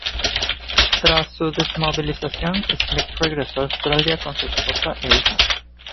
Tras su desmovilización, Smith regresó a Australia con su esposa e hija.